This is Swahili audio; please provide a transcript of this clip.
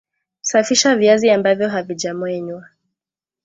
Safisha viazi ambavyo havijamenywa